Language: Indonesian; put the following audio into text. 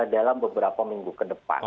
dalam beberapa minggu ke depan